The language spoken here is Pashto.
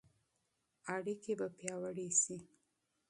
اړیکې به پیاوړې شي.